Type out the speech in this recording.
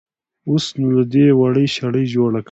اوس نو له دې وړۍ شړۍ جوړه کړه.